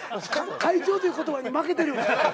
会長という言葉に負けてる。